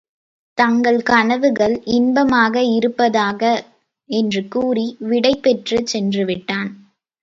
தங்கள் கனவுகள் இன்பமாக இருப்பதாக! என்று கூறி விடைப்பெற்றுச் சென்றுவிட்டான்.